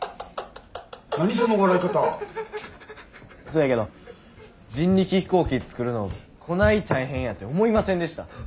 そやけど人力飛行機作るのこない大変やて思いませんでした。